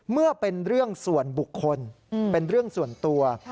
เมื่อเป็นเรื่องส่วนบุคคลเป็นเรื่องส่วนตัว